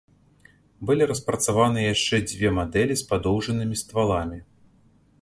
Былі распрацаваныя яшчэ дзве мадэлі з падоўжанымі стваламі.